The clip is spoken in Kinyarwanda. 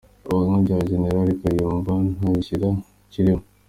Ubuhamya bwa Gen. Kayumba ntagishya kirimo